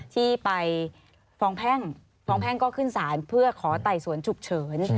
ที่ไปฟ้องแพ่งฟ้องแพ่งก็ขึ้นศาลเพื่อขอไต่สวนฉุกเฉิน